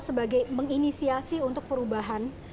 sebagai menginisiasi untuk perubahan